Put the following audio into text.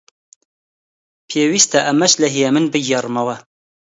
پێویستە ئەمەش لە هێمن بگێڕمەوە: